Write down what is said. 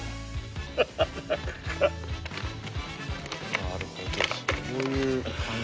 なるほど。